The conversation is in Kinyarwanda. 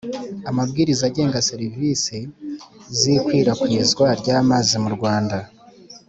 Amabwiriza agenga serivisi z ikwirakwizwa ry amazi mu rwanda